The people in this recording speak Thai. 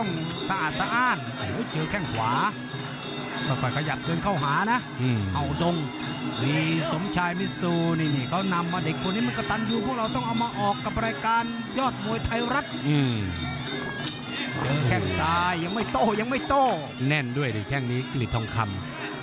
แน่นด้วยเนี่ยแรกนี้กริดทองคำ